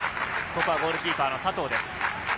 前を向いて、ここはゴールキーパーの佐藤です。